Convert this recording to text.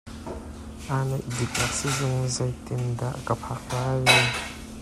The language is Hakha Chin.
Aa neih biknak sizung zei tiin dah ka phak lai?